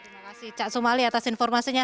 terima kasih cak sumali atas informasinya